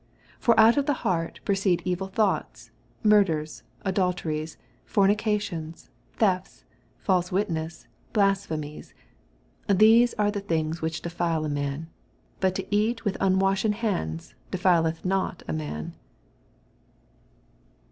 19 ^or ont of the heart proceed evil thoughts, murders, adulteries, fornications, thefts, false witness, blasphemies : 20 These are the £Awi^ whioh defile a man: but to eat with unwashen hands defileth not a man.